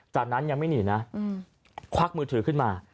จากนั้นยังไม่หนีนะควักมือถือขึ้นมา